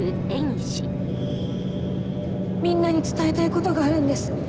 みんなに伝えたいことがあるんです